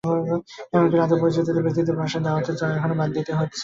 এমনকি রাতে পরিচিত ব্যক্তিদের বাসায় দাওয়াতে যাওয়াও এখন বাদ দিতে হচ্ছে।